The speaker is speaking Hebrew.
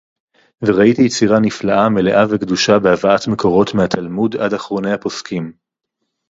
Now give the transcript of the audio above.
וראיתי יצירה נפלאה מלאה וגדושה בהבאת מקורות מהתלמוד עד אחרוני הפוסקים